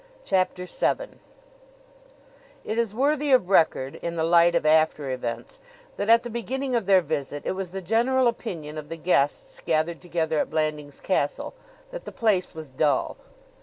CHAPTER VII It is worthy of record, in the light of after events, that at the beginning of their visit it was the general opinion of the guests gathered together at Blandings Castle that the place was dull.